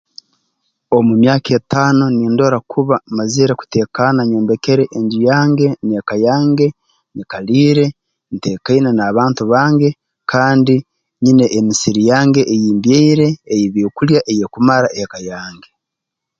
Omu myaka etaano nindora kuba mazire kuteekaana nyombere enju yange n'eka yange nyikaliire nteekaine n'abantu bange kandi nyine emisiri yange ei mbyaire ey'ebyokulya eyeekumara eka yange